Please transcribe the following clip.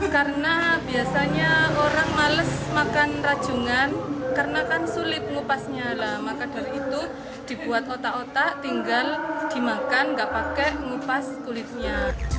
karena biasanya orang males makan rajungan karena kan sulit ngupasnya lah maka dari itu dibuat otak otak tinggal dimakan gak pakai ngupas kulitnya